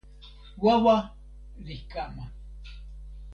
wawa li kama.